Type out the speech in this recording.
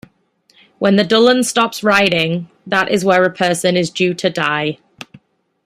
When the Dullahan stops riding, that is where a person is due to die.